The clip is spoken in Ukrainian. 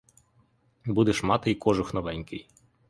Будеш мати й кожух новенький.